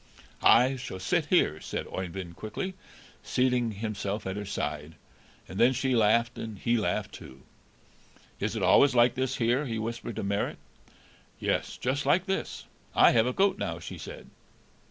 "I shall sit here," said Oeyvind quickly, seating himself at her side, and then she laughed and he laughed too. "Is it always like this here?" he whispered to Marit. "Yes, just like this; I have a goat now," she said.